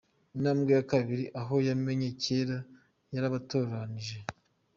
Intambwe ya kabiri, abo yamenye kera yarabatoranije .